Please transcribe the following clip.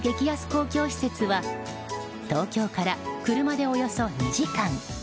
公共施設は東京から車でおよそ２時間。